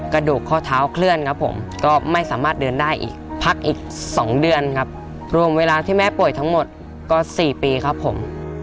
กระดูกข้อเท้าเคลื่อนครับผมก็ไม่สามารถเดินได้อีกพักอีก๒เดือนครับรวมเวลาที่แม่ป่วยทั้งหมดก็๔ปีครับผม